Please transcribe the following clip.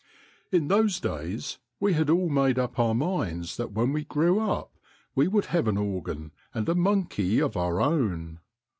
In those days we had all made up our minds that when we grew up we would have an organ and a monkey of our own.